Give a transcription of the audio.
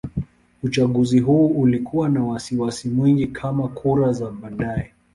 Uchaguzi huu ulikuwa na wasiwasi mwingi kama kura za baadaye.